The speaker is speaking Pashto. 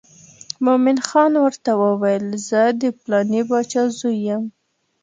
مومن خان ورته وویل زه د پلانې باچا زوی یم.